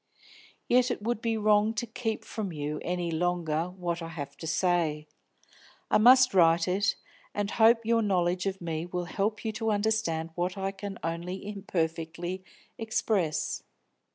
Yet it would be wrong to keep from you any longer what I have to say. I must write it, and hope your knowledge of me will help you to understand what I can only imperfectly express.